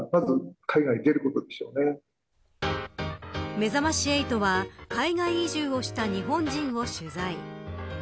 めざまし８は海外移住をした日本人を取材。